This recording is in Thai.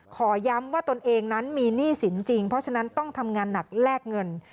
ขอย้ำว่าตนเองนั้นมีหนี้สินจริงเพราะฉะนั้นต้องทำงานหนักแลกเงิน